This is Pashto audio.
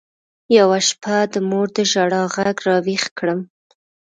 يوه شپه د مور د ژړا ږغ راويښ کړم.